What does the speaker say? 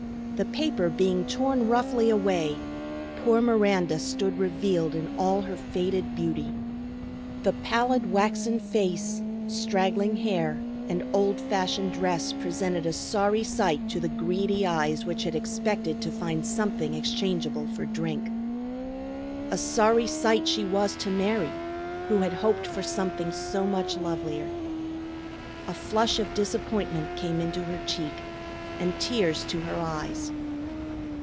The paper being torn roughly away, poor Miranda stood revealed in all her faded beauty. The pallid waxen face, straggling hair, and old fashioned dress presented a sorry sight to the greedy eyes which had expected to find something exchangeable for drink. A sorry sight she was to Mary, who had hoped for something so much lovelier. A flush of disappointment came into her cheek, and tears to her eyes.